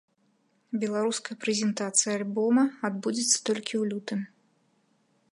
Беларуская прэзентацыя альбома адбудзецца толькі ў лютым.